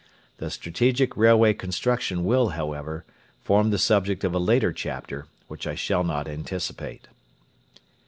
The strategic railway construction will, however, form the subject of a later chapter, which I shall not anticipate.